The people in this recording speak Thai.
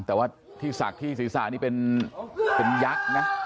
แต่ว่าที่ศักดิ์ที่ศีรษะนี่เป็นยักษ์นะ